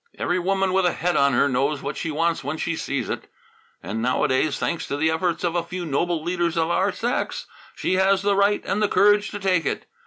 "Every woman with a head on her knows what she wants when she sees it. And nowadays, thanks to the efforts of a few noble leaders of our sex, she has the right and the courage to take it.